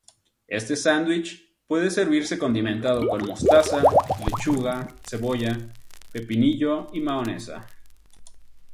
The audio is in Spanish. Este sándwich puede servirse condimentado con mostaza, lechuga, cebolla, pepinillo y mahonesa.